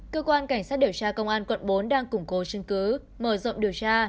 cơ quan cảnh sát điều tra công an quận bốn đang củng cố chứng cứ mở rộng điều tra